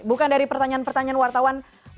bukan dari pertanyaan pertanyaan wartawan